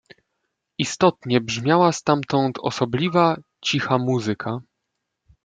"Istotnie brzmiała stamtąd osobliwa cicha muzyka."